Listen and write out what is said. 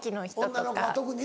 女の子は特にね。